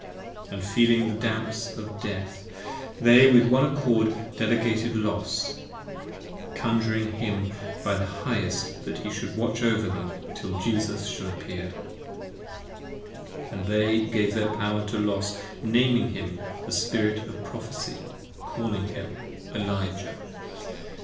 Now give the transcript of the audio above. And feeling the damps of death they with one accord delegated Los, Conjuring him by the Highest that he should watch over them 30 Till Jesus shall appear: & they gave their power to Los Naming him the Spirit of Prophecy, calling him Elijah.